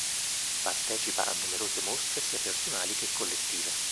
Partecipa a numerose mostre sia personali che collettive.